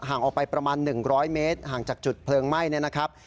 ออกไปประมาณ๑๐๐เมตรห่างจากจุดเพลิงไหม้เนี่ยนะครับ